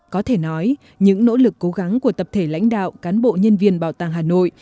có thể nói những nỗ lực cố gắng của tập thể lãnh đạo cán bộ nhân viên bảo tàng hà nội